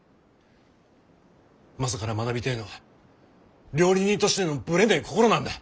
マサから学びてえのは料理人としてのぶれねえ心なんだ。